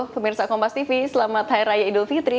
pemirsa kompas tv selamat hari raya idul fitri